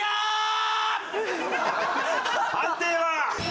判定は？